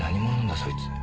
そいつ。